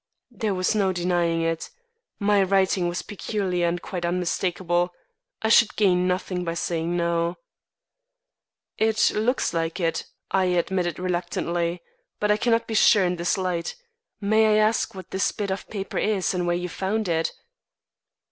There was no denying it. My writing was peculiar and quite unmistakable. I should gain nothing by saying no. "It looks like it," I admitted reluctantly. "But I cannot be sure in this light. May I ask what this bit of paper is and where you found it?"